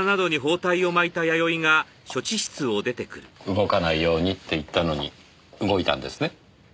動かないようにって言ったのに動いたんですね？